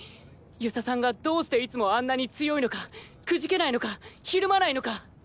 遊佐さんがどうしていつもあんなに強いのか挫けないのか怯まないのか。